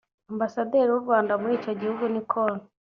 Ambasaderi w’u Rwanda muri icyo gihugu ni Col